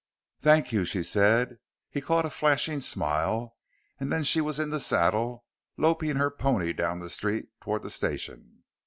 "Thank you," she said. He caught a flashing smile and then she was in the saddle, loping her pony down the street toward the station.